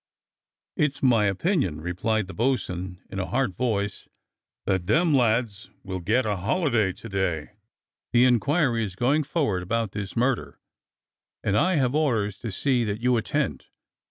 "It's my opinion," replied the bo'sun in a hard voice, "that them lads will get a holiday to day. The in quiry is going forward about this murder, and I have orders to see that you attend."